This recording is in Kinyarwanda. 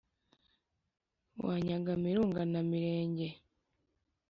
wanyaga mirunga na mirenge